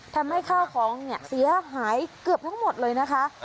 ทำให้ข้าวของเนี่ยเสียหายเกือบทั้งหมดเลยนะคะ